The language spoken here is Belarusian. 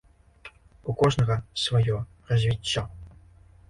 У кожнага сваё развіццё.